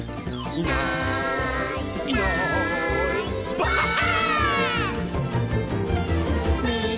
「いないいないばあっ！」